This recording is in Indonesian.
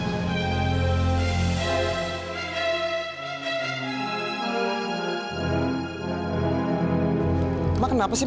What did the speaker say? emang kenapa sih